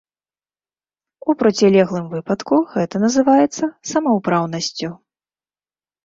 У процілеглым выпадку гэта называецца самаўпраўнасцю.